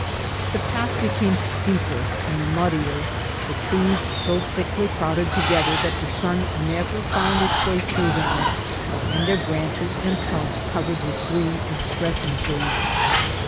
The path became steeper and muddier, the trees so thickly crowded together that the sun never found its way through them, and their branches and trunks covered with green excrescences.